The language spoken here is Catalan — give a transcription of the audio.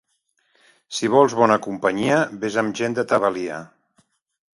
Si vols bona companyia, ves amb gent de ta valia.